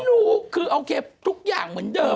รู้คือโอเคทุกอย่างเหมือนเดิม